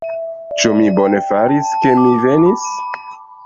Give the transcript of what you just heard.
Ĉu mi bone faris, ke mi venis?